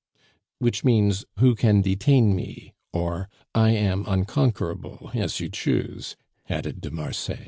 "Which means, 'Who can detain me?' or 'I am unconquerable,' as you choose," added de Marsay.